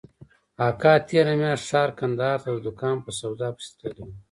اکا تېره مياشت ښار کندهار ته د دوکان په سودا پسې تللى و.